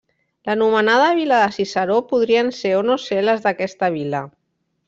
L'anomenada vila de Ciceró podrien ser o no ser les d'aquesta vila.